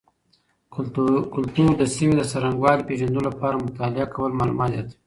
کلتور د سیمې د څرنګوالي پیژندلو لپاره مطالعه کول معلومات زیاتوي.